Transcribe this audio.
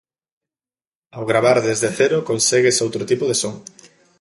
Ao gravar desde cero consegues outro tipo de son.